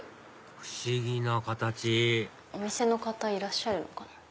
不思議な形お店の方いらっしゃるのかな？